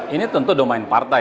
ini tentu domain partai